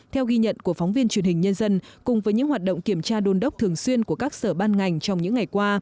theo ghi nhận của phóng viên truyền hình nhân dân cùng với những hoạt động kiểm tra đôn đốc thường xuyên của các sở ban ngành trong những ngày qua